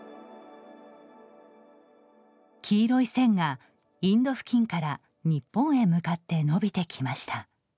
黄色い線がインド付近から日本へ向かってのびてきました。